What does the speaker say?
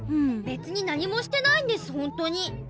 べつに何もしてないんですほんとに。